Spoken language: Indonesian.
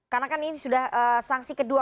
karena kan ini sudah sanksi kedua